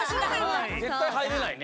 ぜったいはいれないね。